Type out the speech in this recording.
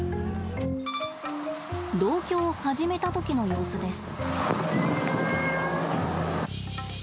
同居を始めたときの様子です。